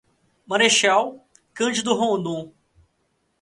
Marechal Cândido Rondon